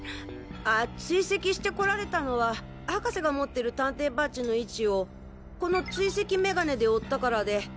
あ追跡してこられたのは博士が持ってる探偵バッジの位置をこの追跡メガネで追ったからで。